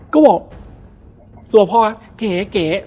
ก็บอกตัวพ่อเก๋